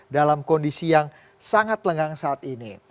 dalam kondisi yang sangat lengang saat ini